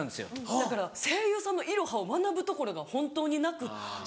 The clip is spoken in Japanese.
だから声優さんのいろはを学ぶところが本当になくって。